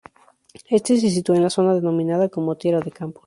Este se sitúa en la zona denominada como Tierra de Campos.